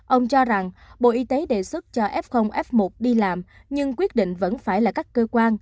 ông cho rằng bộ y tế đề xuất cho f f một đi làm nhưng quyết định vẫn phải là các cơ quan